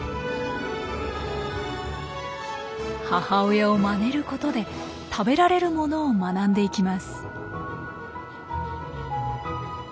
母親をまねることで食べられるものを学んでいきます。